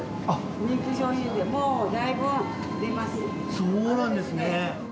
そうなんですね。